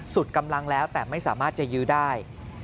สุดกำลังแล้วแต่ไม่สามารถจะยื้อได้